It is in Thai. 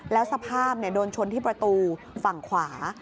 แล้วสภาพโดนชนที่ประตูฝั่งขวา